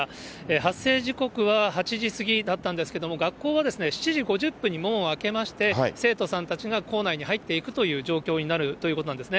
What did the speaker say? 発生時刻は８時過ぎだったんですけども、学校は７時５０分に門を開けまして、生徒さんたちが校内に入っていくという状況になるということなんですね。